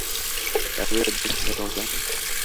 তাঁর বিরুদ্ধে থানায় মামলা হয়।